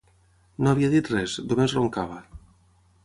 No havia dit res, només roncava.